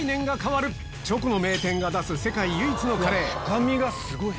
深みがすごい！